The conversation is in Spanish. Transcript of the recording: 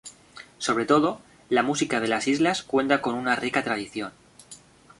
Sobre todo, la música de las islas cuenta con una rica tradición.